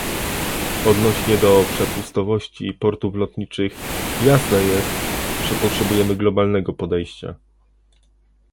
Odnośnie do przepustowości portów lotniczych, jasne jest, że potrzebujemy globalnego podejścia